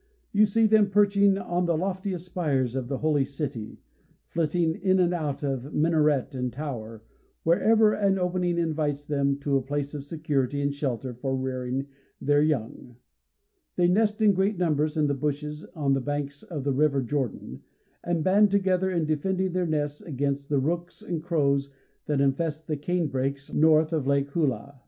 You see them perching on the loftiest spires of the Holy City, flitting in and out of minaret and tower, wherever an opening invites them to a place of security and shelter for rearing their young. They nest in great numbers in the bushes on the banks of the River Jordan, and band together in defending their nests against the rooks and crows that infest the cane brakes north of Lake Hulah.